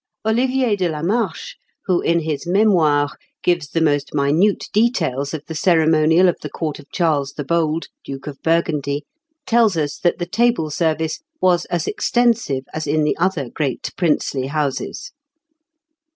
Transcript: Olivier de la Marche, who, in his "Mémoires," gives the most minute details of the ceremonial of the court of Charles the Bold, Duke of Burgundy, tells us that the table service was as extensive as in the other great princely houses.